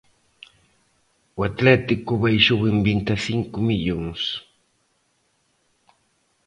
O Atlético baixou en vinte e cinco millóns.